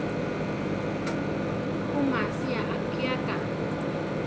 Ku masia akíaka.